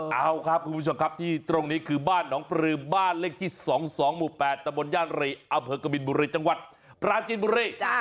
เอาครับคุณผู้ชมครับที่ตรงนี้คือบ้านหนองปลือบ้านเลขที่๒๒หมู่๘ตะบนย่านรีอำเภอกบินบุรีจังหวัดปราจินบุรี